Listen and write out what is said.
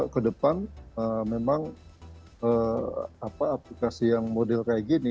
kedepan memang aplikasi yang model kayak gini